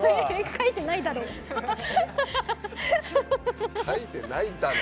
書いてないだろ！